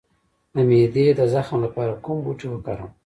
د معدې د زخم لپاره کوم بوټی وکاروم؟